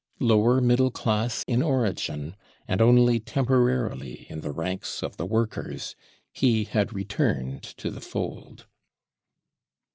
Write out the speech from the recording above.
Lower middle class in origin, and only temporarily in the ranks of r the workers, he had returned to the fold.